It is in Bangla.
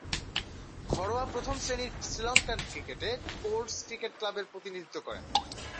ঘরোয়া প্রথম-শ্রেণীর শ্রীলঙ্কান ক্রিকেটে কোল্টস ক্রিকেট ক্লাবের প্রতিনিধিত্ব করেন।